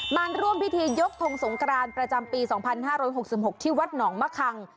มาร่วมพิธียกทงสงกรานประจำปี๒๕๖๖ที่วัดหนองมะคัง